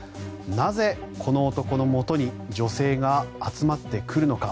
なぜ、この男のもとに女性が集まってくるのか。